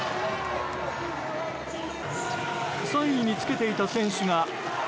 ３位につけていた選手が。